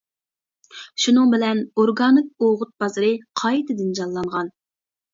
شۇنىڭ بىلەن ئورگانىك ئوغۇت بازىرى قايتىدىن جانلانغان.